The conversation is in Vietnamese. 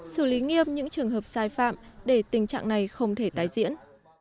xử lý nghiêm những trường hợp sai phạm để tình trạng này không thể tái diễn